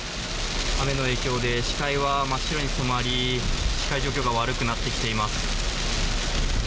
雨の影響で視界は真っ白に染まり視界状況が悪くなってきています。